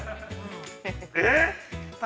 ◆えっ！？